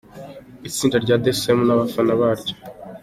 Itsinda rya The Same n'abafana baryo.